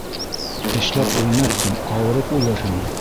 Эшләп үлмәҫһең, ауырып үлерһең.